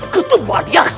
ketumbuh adi akses